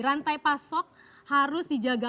rantai pasok harus dijaga